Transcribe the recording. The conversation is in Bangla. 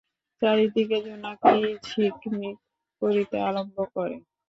চারিদিকে জোনাকি ঝিকমিক করিতে আরম্ভ করে।